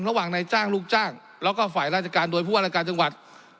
ระหว่างในจ้างลูกจ้างแล้วก็ฝ่ายราชการโดยผู้ว่าราชการจังหวัด